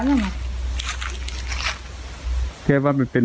แค่ว่าเป็นบ้านปลารักษณ์